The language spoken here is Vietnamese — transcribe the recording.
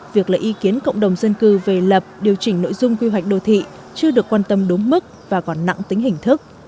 việc lấy ý kiến cộng đồng dân cư về lập điều chỉnh nội dung quy hoạch đô thị chưa được quan tâm đúng mức và còn nặng tính hình thức